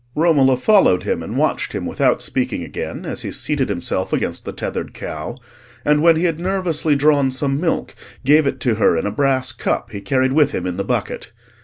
Romola followed him and watched him without speaking again, as he seated himself against the tethered cow, and, when he had nervously drawn some milk, gave it to her in a brass cup he carried with him in the bucket.